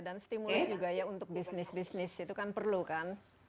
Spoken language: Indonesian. dan stimulus juga untuk bisnis bisnis itu kan perlu kan